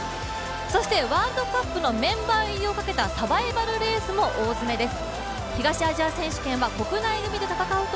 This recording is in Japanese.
そしてワールドカップのメンバー入りをかけたサバイバルレースも大詰めです。